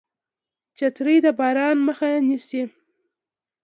چترۍ د باران مخه نیسي